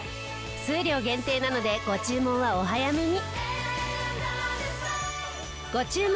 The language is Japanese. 数量限定なのでご注文はお早めに。